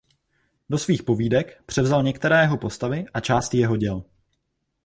Do svých povídek převzal některé jeho postavy a části jeho děl.